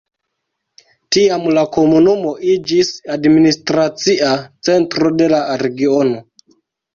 Tiam la komunumo iĝis administracia centro de la regiono.